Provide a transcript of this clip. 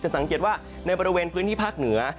สังเกตว่าในบริเวณพื้นที่ภาคเหนือ